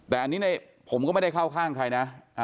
แต่อันนี้ผมก็ไม่ได้เข้าข้างใครนะ